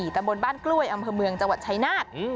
ตำบลบ้านกล้วยอำเภอเมืองจังหวัดชายนาฏ